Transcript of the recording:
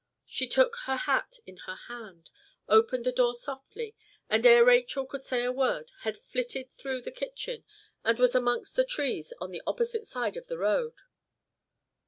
She took her hat in her hand, opened the door softly, and ere Rachel could say a word, had flitted through the kitchen, and was amongst the trees on the opposite side of the road.